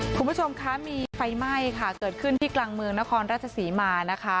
คุณผู้ชมคะมีไฟไหม้ค่ะเกิดขึ้นที่กลางเมืองนครราชศรีมานะคะ